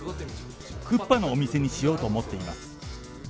クッパのお店にしようと思っています。